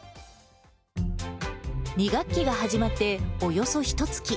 ２学期が始まっておよそひとつき。